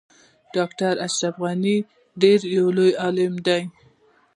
ډاکټر اشرف غنی ډیر لوی عالم دی